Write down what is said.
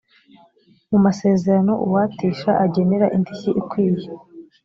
mu masezerano uwatisha agenera indishyi ikwiye